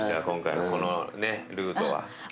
今回のこのルートは。